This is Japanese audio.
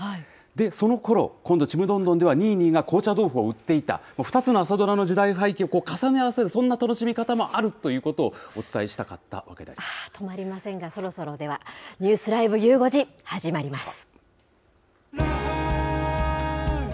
で、そのころ、今度ちむどんどんでは紅茶豆腐を売っていた、２つの朝ドラの時代背景を重ね合わせて、そんな楽しみもあるということをお伝えした止まりませんが、そろそろでは、ニュースＬＩＶＥ！ゆう５時始まります。